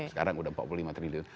sekarang sudah empat puluh lima triliun